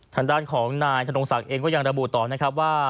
ทางด้านของนายธนงศักดิ์เองก็ยังระบุต่อนะครับว่า